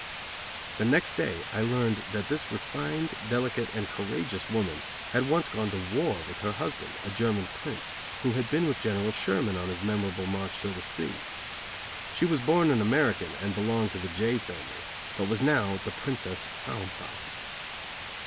The next day I learned that this refined, delicate and courageous woman had once gone to war with her husband, a German prince, who had been with General Sherman on his memorable march to the sea. She was born an American, and belonged to the Jay family, but was now the Princess Salm Salm.